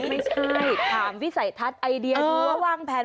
ไม่ใช่ถามวิสัยทัศน์ไอเดียดูว่าวางแผน